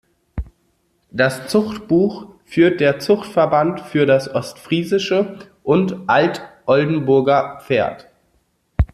Das Zuchtbuch führt der Zuchtverband für das Ostfriesische und Alt-Oldenburger Pferd.